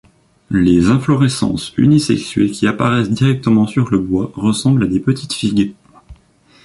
Les inflorescences unisexuées qui apparaissent directement sur le bois ressemblent à de petites figues.